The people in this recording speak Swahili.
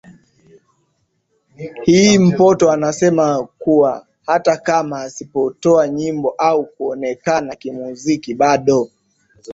hii Mpoto anasema kuwa hata kama asipotoa nyimbo au kuonekana kimuziki bado